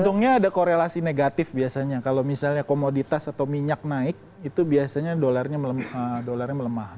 untungnya ada korelasi negatif biasanya kalau misalnya komoditas atau minyak naik itu biasanya dolarnya melemah